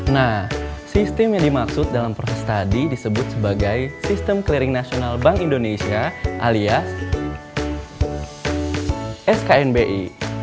nah sistem yang dimaksud dalam proses tadi disebut sebagai sistem clearing nasional bank indonesia alias sknbi